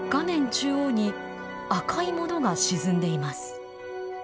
中央に赤いものが沈んでいます。